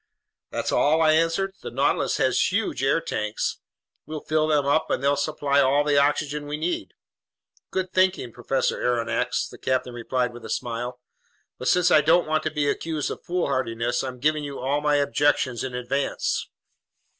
"That's all?" I answered. "The Nautilus has huge air tanks; we'll fill them up and they'll supply all the oxygen we need." "Good thinking, Professor Aronnax," the captain replied with a smile. "But since I don't want to be accused of foolhardiness, I'm giving you all my objections in advance."